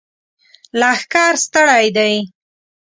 لښکر ستړی دی!